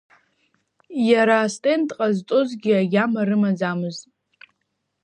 Иара астенд ҟазҵозгьы агьама рымаӡамызт.